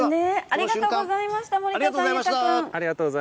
ありがとうございます。